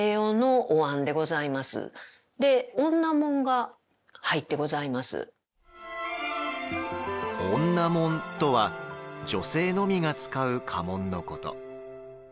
女紋とは女性のみが使う家紋のこと。